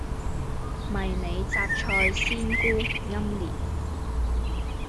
迷你什菜鮮菇奄列